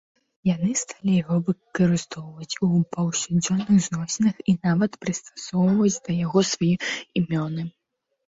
Яны сталі яго выкарыстоўваць у паўсядзённых зносінах і нават прыстасоўваць да яго свае імёны.